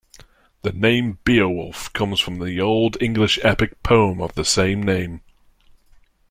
The name "Beowulf" comes from the Old English epic poem of the same name.